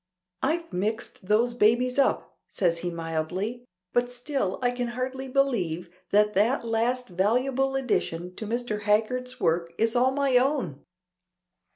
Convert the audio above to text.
"I've 'mixed those babies up,'" says he mildly. "But still I can hardly believe that that last valuable addition to Mr. Haggard's work is all my own."